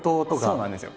そうなんですよ。